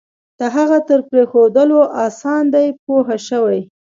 د هغه تر پرېښودلو آسان دی پوه شوې!.